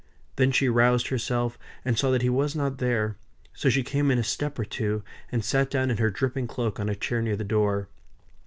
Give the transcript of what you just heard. Then she roused herself and saw that he was not there; so she came in a step or two, and sat down in her dripping cloak on a chair near the door.